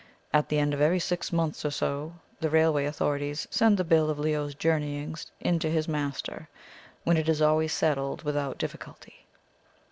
At the end of every six months or so, the railway authorities send the bill of Leo's journeyings in to his master, when it is always settled without difficulty."